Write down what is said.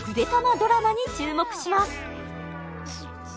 ドラマに注目します